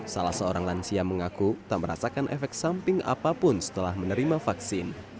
salah seorang lansia mengaku tak merasakan efek samping apapun setelah menerima vaksin